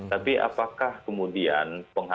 tapi apakah kemudian